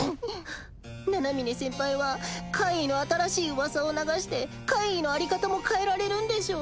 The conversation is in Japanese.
七峰先輩は怪異の新しい噂を流して怪異のあり方も変えられるんでしょ？